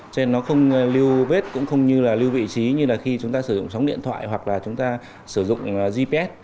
cho nên nó không lưu vết cũng không như là lưu vị trí như là khi chúng ta sử dụng sóng điện thoại hoặc là chúng ta sử dụng gps